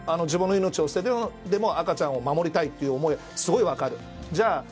自分の命を捨ててでも赤ちゃんを守りたいという思いすごい分かる。